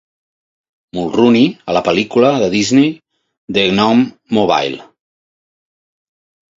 Mulrooney a la pel·lícula de Disney "The Gnome-Mobile".